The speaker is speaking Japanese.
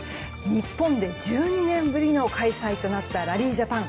日本で１２年ぶりの開催となったラリー・ジャパン。